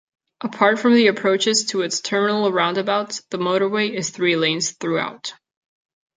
Apart from the approaches to its terminal roundabouts, the motorway is three lanes throughout.